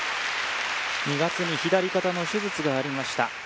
２月に左肩の手術がありました